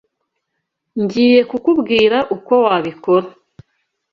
Ngiye kukubwira uko wabikora.